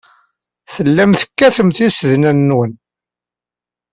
Tellam tekkatem tisednan-nwen.